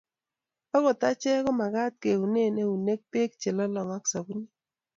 akot achek ko mekat keune eunek beek che lolong ak sabunit